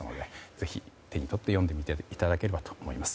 ぜひ、手に取って読んでみていただければと思います。